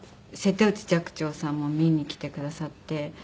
瀬戸内寂聴さんも見に来てくださって。